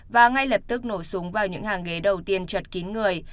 và ngay lập tức nổ súng vào những hàng ghế đầu tiên chật kín người